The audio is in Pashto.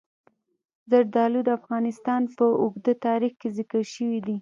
زردالو د افغانستان په اوږده تاریخ کې ذکر شوی دی.